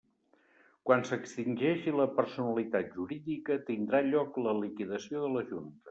Quan s'extingeixi la personalitat jurídica, tindrà lloc la liquidació de la Junta.